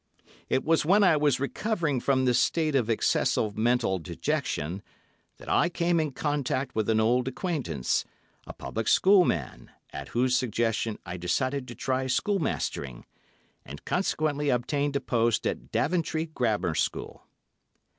It was when I was recovering from this state of excessive mental dejection that I came in contact with an old acquaintance, a public schoolman, at whose suggestion I decided to try schoolmastering, and consequently obtained a post at Daventry Grammar School.